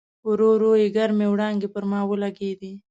ورو ورو یې ګرمې وړانګې پر ما ولګېدې.